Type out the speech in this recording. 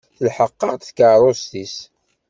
Telḥeq-aɣ-d tkeṛṛust-is.